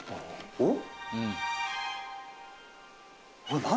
おっ？